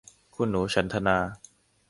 คุณหนูฉันทนา